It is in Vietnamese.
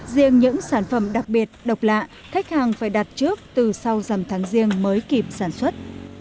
riêng những sản phẩm đặc biệt độc lạ khách hàng phải đặt trước từ sau dằm tháng riêng mới kịp sản xuất